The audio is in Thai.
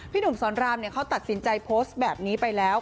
หนุ่มสอนรามเขาตัดสินใจโพสต์แบบนี้ไปแล้ว